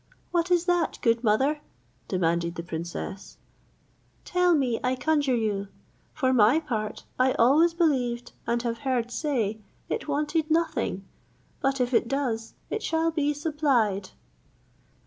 "What is that, good mother?" demanded the princess; "tell me, I conjure you. For my part, I always believed, and have heard say, it wanted nothing; but if it does, it shall be supplied."